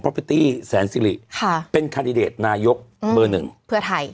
พิตตี้แสนสิริค่ะเป็นคาดิเดตนายกเบอร์หนึ่งเพื่อไทย